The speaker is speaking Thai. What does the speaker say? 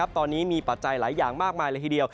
ตอนนี้มีปัจจัยหลายอย่างมากมายเลยทีเดียว